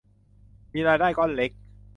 มีรายได้ก้อนเล็ก